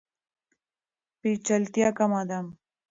پیچلتیا کمه ده.